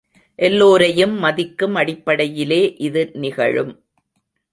எல்லோரையும் மதிக்கும் அடிப்படையிலே இது நிகழும்.